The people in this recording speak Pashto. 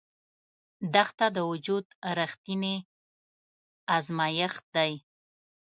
دښته د وجود رښتینی ازمېښت دی.